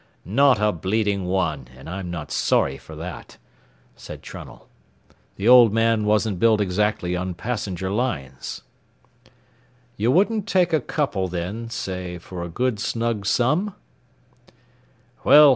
"Not a bleeding one, and I'm not sorry for that," said Trunnell; "the old man wasn't built exactly on passenger lines." "You wouldn't take a couple, then, say for a good snug sum?"